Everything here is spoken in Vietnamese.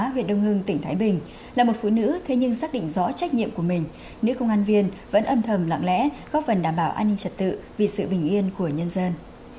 công an huyện đông hưng tỉnh thái bình là một phụ nữ thế nhưng xác định rõ trách nhiệm của mình nữ công an viên vẫn âm thầm lặng lẽ góp phần đảm bảo an ninh trật tự vì sự bình yên của nhân dân